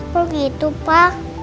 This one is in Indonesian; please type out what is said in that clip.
kok gitu pak